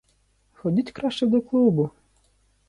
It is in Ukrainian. Ходіть краще до клубу.